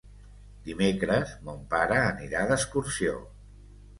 Dimecres mon pare anirà d'excursió.